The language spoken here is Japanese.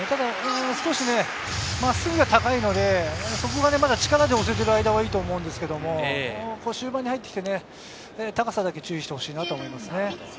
少し真っすぐが高いので、そこが力で抑えている間はいいですけど、終盤に入ってきて高さだけ注意してほしいと思います。